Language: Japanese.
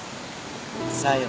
さよ